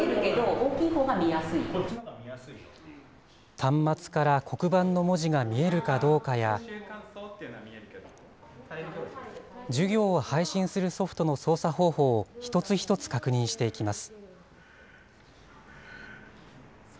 端末から黒板の文字が見えるかどうかや、授業を配信するソフトの操作方法を一つ一つ確認していきます。